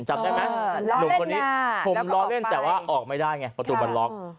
จำได้ไหมหนุ่มคนนี้ผมล้อเล่นแต่ว่าออกไม่ได้ไงประตูมันล็อก